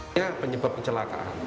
ini penyebab kecelakaan